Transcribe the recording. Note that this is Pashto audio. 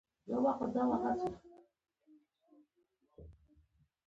د احمد پلار غريب وچې غاړې پروت دی.